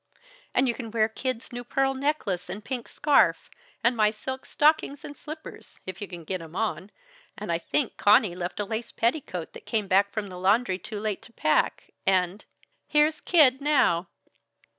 "And you can wear Kid's new pearl necklace and pink scarf, and my silk stockings and slippers if you can get 'em on and I think Conny left a lace petticoat that came back from the laundry too late to pack and Here's Kid now!"